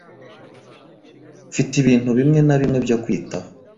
Mfite ibintu bimwe na bimwe byo kwitaho.